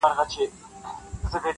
له قاصده سره نسته سلامونه-